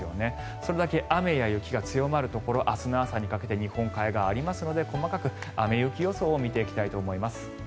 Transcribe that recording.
それだけ雨や雪が強まるところ明日の朝にかけて日本海側、ありますので細かく雨・雪予想を見ていきたいと思います。